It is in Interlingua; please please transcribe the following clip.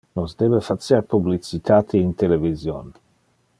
Nos debe facer publicitate in television.